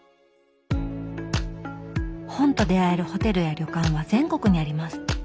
本と出会えるホテルや旅館は全国にあります。